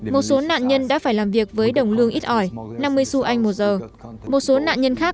một số nạn nhân đã phải làm việc với đồng lương ít ỏi năm mươi xu anh một giờ một số nạn nhân khác